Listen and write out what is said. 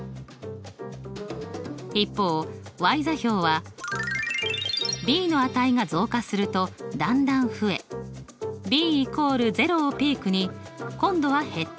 一方座標はｂの値が増加するとだんだん増えｂ＝０をピークに今度は減っていきます。